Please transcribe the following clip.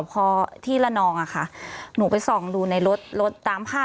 พี่เรื่องมันยังไงอะไรยังไง